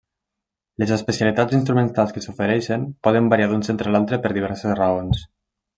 Les especialitats instrumentals que s'ofereixen poden variar d'un centre a l'altre per diverses raons.